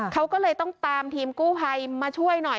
เขาก็เลยต้องตามทีมกู้ภัยมาช่วยหน่อย